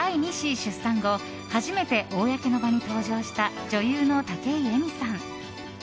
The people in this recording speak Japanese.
出産後初めて公の場に登場した女優の武井咲さん。